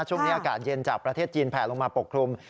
ช่วงนี้อากาศเย็นจากประเทศจีนแผลลงมาปกคลุม